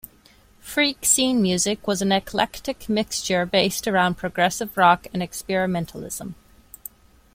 Freak scene music was an eclectic mixture based around progressive rock and experimentalism.